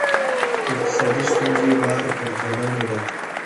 د اقتصادي ستونزو بار پر ځوانانو دی.